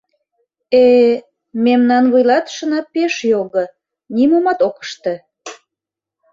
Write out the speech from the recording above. Э-э... мемнан вуйлатышына пеш його... нимомат ок ыште.